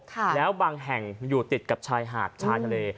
แล้วบางแห่งอยู่ติดกับชายหาดชายทะเล